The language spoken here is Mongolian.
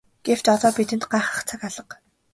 Гэвч бидэнд одоо гайхах цаг алга.